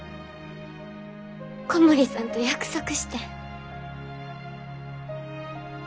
小森さんと約束してん。